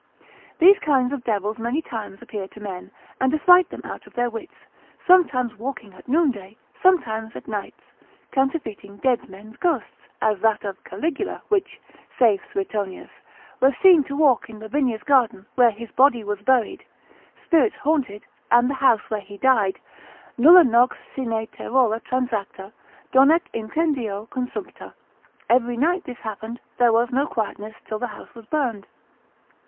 These kind of devils many times appear to men, and affright them out of their wits, sometimes walking at noonday, sometimes at nights, counterfeiting dead men's ghosts, as that of Caligula, which (saith Suetonius) was seen to walk in Lavinia's garden, where his body was buried, spirits haunted, and the house where he died, Nulla nox sine terrore transacta, donec incendio consumpta; every night this happened, there was no quietness, till the house was burned.